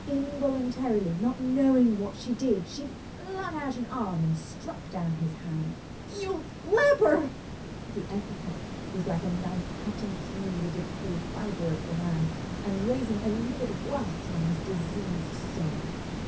Involuntarily, not knowing what she did, she flung out an arm and struck down his hands. "You—leper!" The epithet was like a knout cutting through the decayed fibre of the man and raising a livid welt on his diseased soul.